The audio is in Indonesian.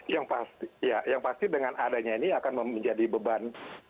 ya yang pasti dengan adanya ini akan menjadi beban